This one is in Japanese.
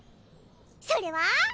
それは。